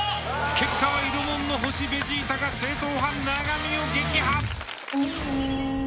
結果は色もんの星ベジータが正統派永見を撃破。